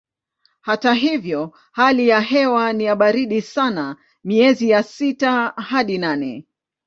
Hata hivyo hali ya hewa ni ya baridi sana miezi ya sita hadi nane.